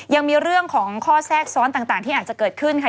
ยังมีเรื่องของข้อแทรกซ้อนต่างที่อาจจะเกิดขึ้นค่ะ